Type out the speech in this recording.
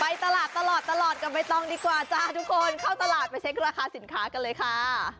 ไปตลาดตลอดตลอดกับใบตองดีกว่าจ้าทุกคนเข้าตลาดไปเช็คราคาสินค้ากันเลยค่ะ